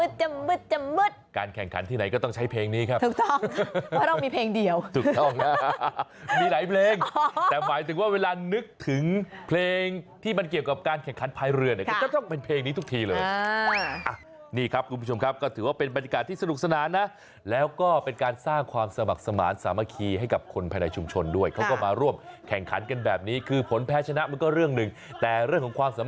ถูกต้องว่าต้องมีเพลงเดียวถูกต้องนะมีหลายเพลงแต่หมายถึงว่าเวลานึกถึงเพลงที่มันเกี่ยวกับการแข่งคันพายเรือก็ต้องเป็นเพลงนี้ทุกทีเลยนี่ครับคุณผู้ชมครับก็ถือว่าเป็นบรรยากาศที่สนุกสนานนะแล้วก็เป็นการสร้างความสมัครสมารถสามัคคีให้กับคนภายในชุมชนด้วยเขาก็มาร่วมแข่งคันกันแบบนี้คื